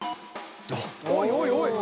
おいおいおい。